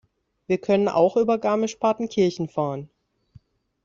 Wir können auch über Garmisch-Partenkirchen fahren.